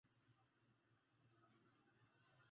yake ya kimataifa Katika karne ya kumi na tano